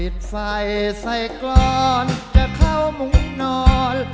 ดูคล้ายกรอนจะเข้ามุ่งนอล